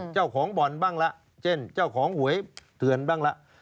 เจ้าของบ่อนบ้างละเช่นเจ้าของหวยเถื่อนบ้างละ